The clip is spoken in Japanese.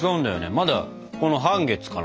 まだこの半月かな。